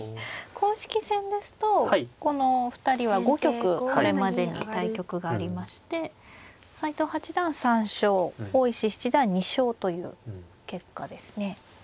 公式戦ですとこのお二人は５局これまでに対局がありまして斎藤八段３勝大石七段２勝という結果ですね。